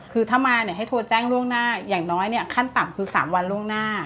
คือถ้ามาเนี่ยให้โทรแจ้งล่วงหน้าอย่างน้อยเนี่ยขั้นต่ำคือ๓วันล่วงหน้า